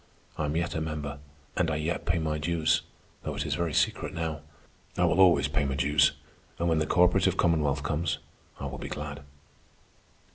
I am yet a member, and I yet pay my dues, though it is very secret now. I will always pay my dues, and when the cooperative commonwealth comes, I will be glad."